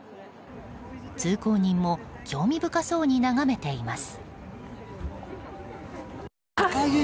通行人も興味深そうに眺めています。